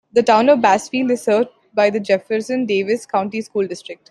The Town of Bassfield is served by the Jefferson Davis County School District.